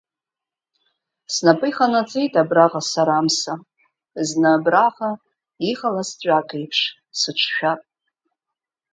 Снапы иҟанаҵеит абраҟа сара амса, зны абраҟа, иҟалаз ҵәак еиԥш, сыҿшәап.